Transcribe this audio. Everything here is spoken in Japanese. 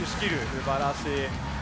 すばらしい。